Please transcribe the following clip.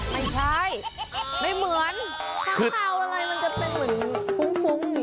ไม่ใช่ไม่เหมือนค้างคาวอะไรมันจะเป็นเหมือนฟุ้งฟุ้ง